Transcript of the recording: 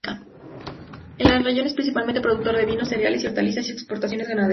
El raión es principalmente productor de vino, cereales y hortalizas y explotaciones ganaderas.